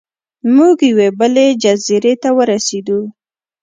موږ یوې بلې جزیرې ته ورسیدو.